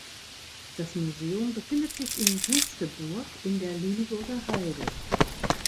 Das Museum befindet sich in Jesteburg in der Lüneburger Heide.